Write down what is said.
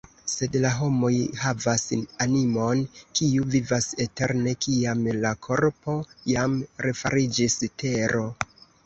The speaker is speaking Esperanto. Sed la homoj havas animon, kiu vivas eterne, kiam la korpo jam refariĝis tero.